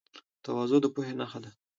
تواضع د پوهې نښه ده.